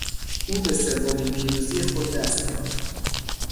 او به سومین پیروزی خود دست یافت.